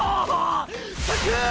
サンキュー！